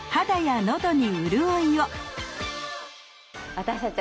私たち